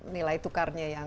nilai tukarnya yang